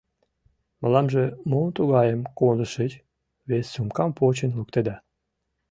— Мыламже мом тугайым кондышыч? — вес сумкам почын луктеда.